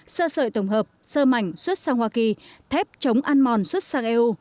sơ sợi tổng hợp sơ mảnh xuất sang hoa kỳ thép chống ăn mòn xuất sang eu